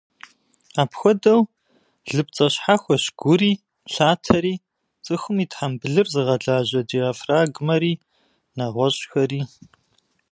Апхуэдэу, лыпцӏэ щхьэхуэщ гури, лъатэри, цӏыхум и тхьэмбылыр зыгъэлажьэ диафрагмэри, нэгъуэщӏхэри.